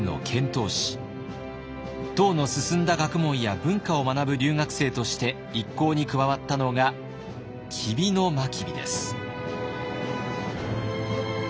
唐の進んだ学問や文化を学ぶ留学生として一行に加わったのが吉備真備です。